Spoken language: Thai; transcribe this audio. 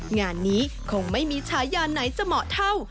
งานนี้คงไม่มีฉายาไหนจะเหมาะเท่า